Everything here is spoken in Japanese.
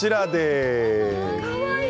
かわいい。